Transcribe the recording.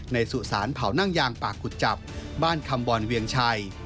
สุสานเผานั่งยางปากขุดจับบ้านคำบอลเวียงชัย